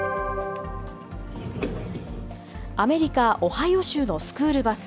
アメリカ・オハイオ州のスクールバス。